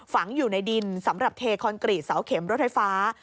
ฝังอยู่ในดินสำหรับเทคอนกรีตเสาเข็มรถไฟฟ้า